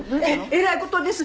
えらいことです